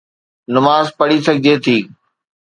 نماز پڙهي سگهجي ٿي.